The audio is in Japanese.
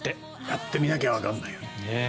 やってみなきゃわからないよね。